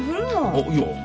あっいや。